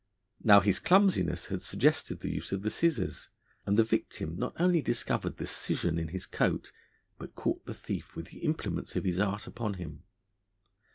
Now, his clumsiness had suggested the use of the scissors, and the victim not only discovered the scission in his coat, but caught the thief with the implements of his art upon him.